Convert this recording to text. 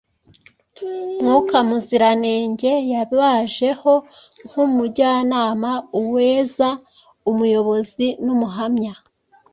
Mwuka Muziranenge yabajeho nk’umujyanama, uweza, umuyobozi n’umuhamya.